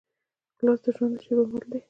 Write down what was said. ګیلاس د ژوند د شېبو مل دی.